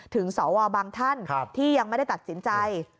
สวบางท่านที่ยังไม่ได้ตัดสินใจ